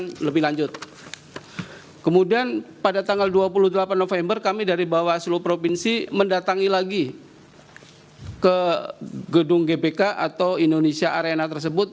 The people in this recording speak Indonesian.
pemeriksaan lebih lanjut kemudian pada tanggal dua puluh delapan november kami dari bawaslu provinsi mendatangi lagi ke gedung gbk atau indonesia arena tersebut